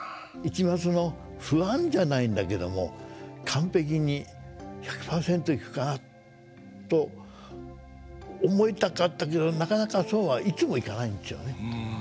一抹の不安じゃないんだけども完璧に１００％いくかなっと思いたかったけどなかなかそうはいつもいかないんですよね。